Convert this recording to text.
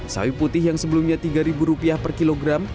sawi putih yang sebelumnya rp tiga per kilogram